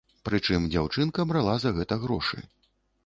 Прычым дзяўчынка брала за гэта грошы.